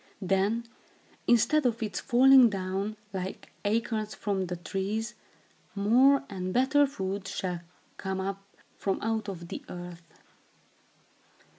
Then, instead of its falling down, like acorns from the trees, more and better food shall come up from out of the earth.